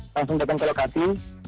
langsung datang ke lokasi